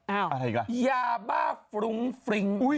อ้าวยาบ้าฟรุ้งฟริ้ง